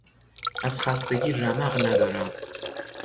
از خستگی رمق ندارم.